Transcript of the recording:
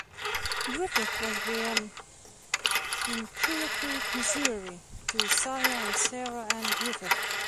Griffith was born in Clear Creek, Missouri, to Isaiah and Sarah Anne Griffith.